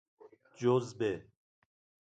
جزبه